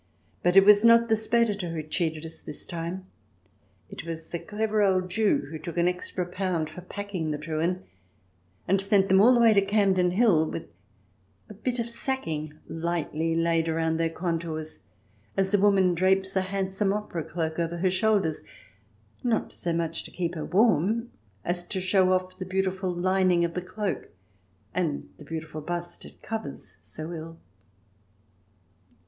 But it was not the Speditor who cheated us this time. It was a clever old Jew who took an extra pound for packing the Truhen, and sent them all the way to Campden Hill with a bit of sacking lightly laid round their contours, as a woman drapes a handsome opera cloak over her shoulders — not so much to keep herself warm as to show off the beautiful lining of the cloak, and the beautiful bust it covers so ill.